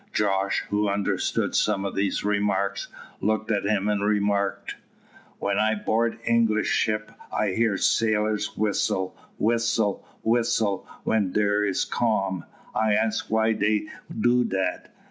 Jos, who understood some of these remarks, looked at him, and remarked "When I 'board English ship I hear sailors whistle, whistle, whistle when dere is calm. I ask why dey do dat?